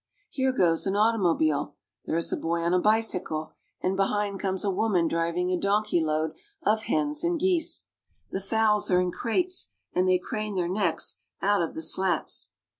Here goes an automobile, there is a boy on a bicycle, and behind comes a woman driving a donkey load of hens and geese. The fowls are in crates, and they crane their necks out of the slats.